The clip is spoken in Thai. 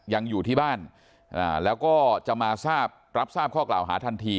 ยังอยู่ที่บ้านแล้วก็จะมาทราบรับทราบข้อกล่าวหาทันที